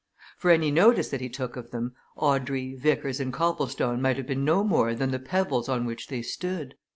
For any notice that he took of them, Audrey, Vickers, and Copplestone might have been no more than the pebbles on which they stood.